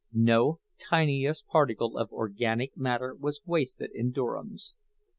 No tiniest particle of organic matter was wasted in Durham's.